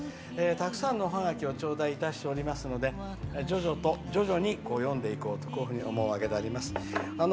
たくさんのおハガキを頂戴しておりますので徐々に読んでいこうとこういうふうに思うわけであります。